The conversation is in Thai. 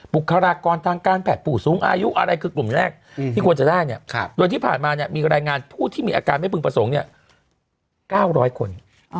บุคลากรทางการแพทย์ผู้สูงอายุอะไรคือกลุ่มแรกที่ควรจะได้เนี่ยโดยที่ผ่านมาเนี่ยมีรายงานผู้ที่มีอาการไม่พึงประสงค์เนี่ย๙๐๐คน